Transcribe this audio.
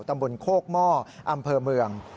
ตำบลโคกหม้ออำเภอเมือง